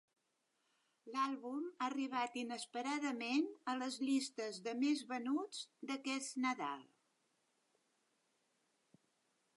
L'àlbum ha arribat inesperadament a les llistes de més venuts d'aquest Nadal.